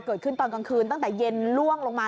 เกิดขึ้นตอนกลางคืนตั้งแต่เย็นล่วงลงมา